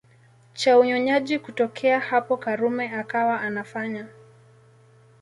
cha unyonyaji Kutokea hapo Karume akawa anafanya